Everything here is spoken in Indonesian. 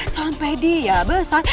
sampai dia besar